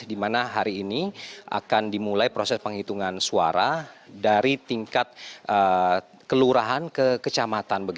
di mana hari ini akan dimulai proses penghitungan suara dari tingkat kelurahan ke kecamatan